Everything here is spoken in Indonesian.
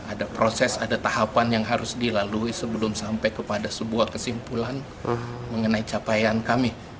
ada proses ada tahapan yang harus dilalui sebelum sampai kepada sebuah kesimpulan mengenai capaian kami